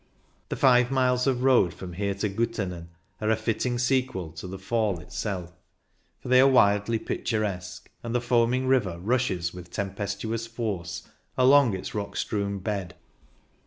The five miles of road from here to Guttannen are a fitting sequel to the Fall itself, for they are wildly picturesque, and the foaming river rushes with tempestuous force along its rock strewn bed.